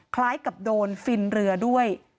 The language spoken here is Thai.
คล้ายกับโดนฟินเรือด้วย